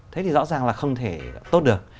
thế thì rõ ràng là không thể tốt được